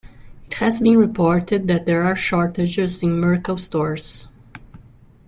It has been reported that there are shortages in Mercal stores.